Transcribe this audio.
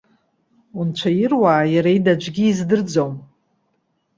Унцәа ируаа, иара ида аӡәгьы издырӡом.